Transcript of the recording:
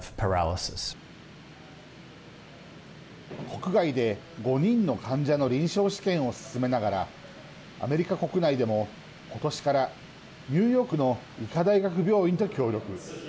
国外で５人の患者の臨床試験を進めながらアメリカ国内でも、ことしからニューヨークの医科大学病院と協力。